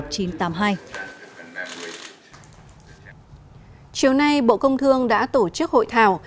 chiều nay bộ công thương đã tổ chức hội thảo